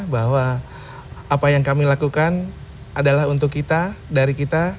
bahwa apa yang kami lakukan adalah untuk kita dari kita